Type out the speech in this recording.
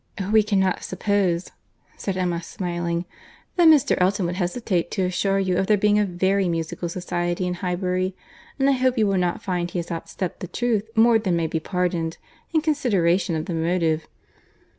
'" "We cannot suppose," said Emma, smiling, "that Mr. Elton would hesitate to assure you of there being a very musical society in Highbury; and I hope you will not find he has outstepped the truth more than may be pardoned, in consideration of the motive."